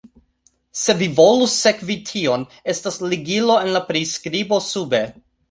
Se vi volus sekvi tion, estas ligilo en la priskribo sube.